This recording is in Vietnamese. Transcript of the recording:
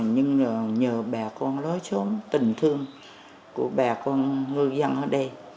nhưng nhờ bà con lối xóm tình thương của bà con ngư dân ở đây